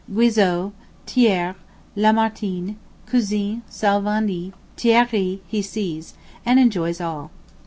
Guizot, Thiers, Lamartine, Cousin, Salvandi, Thierry, he sees, and enjoys all.